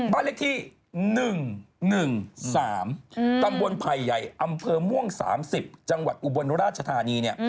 บ้านเลขที่๑๑๓ตำบลไผ่ใหญ่อำเภอม่วง๓๐จังหวัดอุบลราชธานีเนี่ย